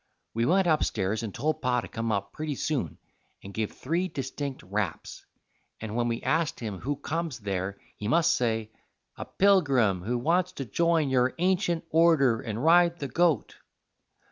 We went upstairs and told Pa to come up pretty soon and give three distinct raps, and when we asked him who comes there he must say, 'A pilgrim, who wants to join your ancient order and ride the goat.'